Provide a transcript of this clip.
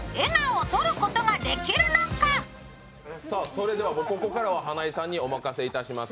それではここからは花井さんにお任せいたします。